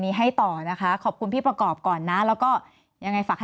นี้ให้ต่อนะคะขอบคุณพี่ประกอบก่อนนะแล้วก็ยังไงฝากให้